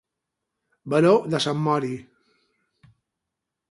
Baró de Sant Mori.